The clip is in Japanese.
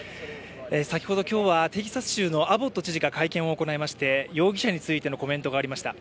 先ほど今日はテキサス州のアボット知事が会見を行い容疑者についてのコメントがありました。